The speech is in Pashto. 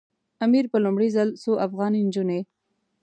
امیر په لومړي ځل څو افغاني نجونې.